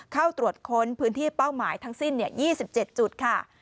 เข้าตรวจค้นพื้นที่เป้าหมายทั้งสิ้น๒๗จุดค่ะ